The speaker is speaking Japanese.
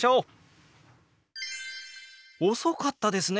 遅かったですね。